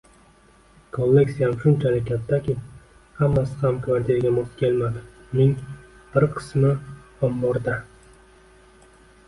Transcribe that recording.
Kolleksiyam shunchalik kattaki, hammasi ham kvartiraga mos kelmadi, uning bir qismi omborda